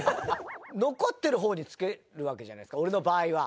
残ってる方につけるわけじゃないですか俺の場合は。